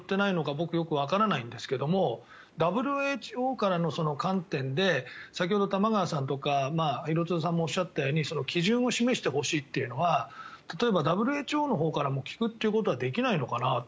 僕はよくわかりませんがＷＨＯからの観点で先ほど玉川さんとか廣津留さんもおっしゃったように基準を示してほしいというのは例えばＷＨＯのほうからも聞くということはできないのかなと。